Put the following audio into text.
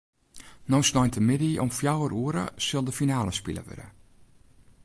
No sneintemiddei om fjouwer oere sil de finale spile wurde.